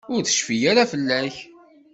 Ur tecfi ara fell-ak.